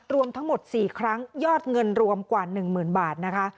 หักตรวมทั้งหมดสี่ครั้งยอดเงินรวมกว่าหนึ่งหมื่นบาทนะคะ